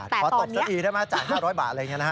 ขอตบสักอีกได้ไหมจ่าย๕๐๐บาทอะไรอย่างนี้นะครับ